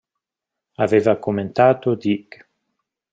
Aveva commentato Dick.